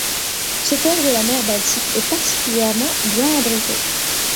Ce port de la mer Baltique est particulièrement bien abrité.